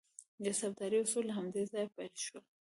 د حسابدارۍ اصول له همدې ځایه پیل شول.